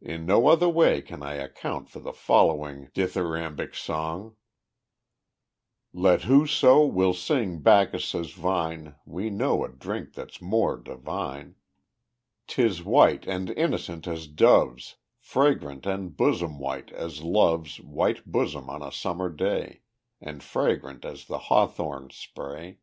In no other way can I account for the following dithyrambic song: _Let whoso will sing Bacchus' vine, We know a drink that's more divine; 'Tis white and innocent as doves, Fragrant and bosom white as love's White bosom on a Summer day, And fragrant as the hawthorn spray.